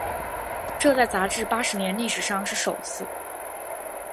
这在杂志八十年历史上是首次。